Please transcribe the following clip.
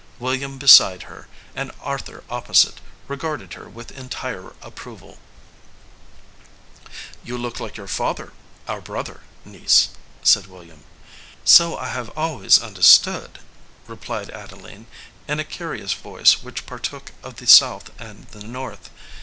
William beside her, and Arthur opposite, regarded her with entire approval. 56 THE VOICE OF THE CLOCK "You look like your father, our brother, niece," said William. "So I have always understood," replied Adeline, in a curious voice which partook of the South and the North.